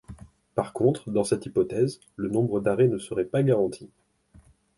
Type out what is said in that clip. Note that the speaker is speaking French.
Par contre, dans cette hypothèse, le nombre d'arrêts ne serait pas garanti.